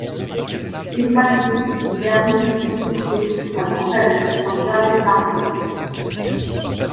Détraqués, ces derniers se sont développés à grande allure sans jamais s'arrêter.